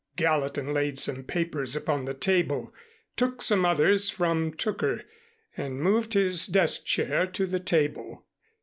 Gallatin laid some papers upon the table, took some others from Tooker and moved his desk chair to the table.